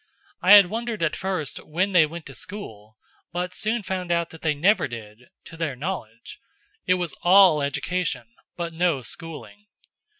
I had wondered at first when they went to school, but soon found that they never did to their knowledge. It was all education but no schooling.